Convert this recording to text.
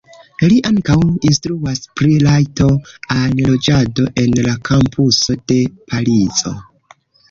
Li ankaŭ instruas pri rajto al loĝado en la kampuso de Parizo.